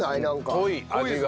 濃い味が。